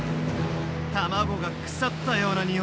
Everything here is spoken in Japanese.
卵が腐ったようなにおいだ。